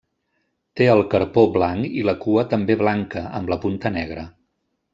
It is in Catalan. Té el carpó blanc i la cua també blanca, amb la punta negra.